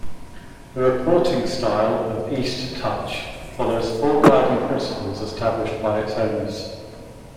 The reporting style of "East Touch" follows four guiding principles established by its owners.